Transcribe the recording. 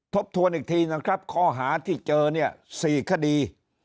ทบทวนอีกทีนะครับข้อหาที่เจอเนี่ย๔คดี